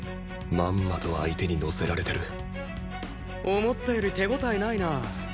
まんまと相手に乗せられてる思ったより手応えないな。